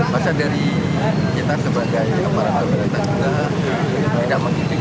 masa dari kita sebagai amaran pemerintah juga tidak menggigitkan ini